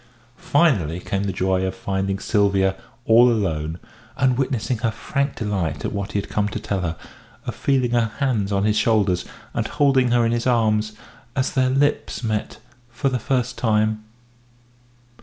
Finally came the joy of finding Sylvia all alone, and witnessing her frank delight at what he had come to tell her, of feeling her hands on his shoulders, and holding her in his arms, as their lips met for the first time.